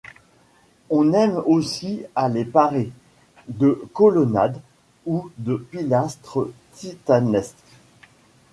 On aime aussi à les parer de colonnades ou de pilastres titanesques.